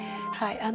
はい。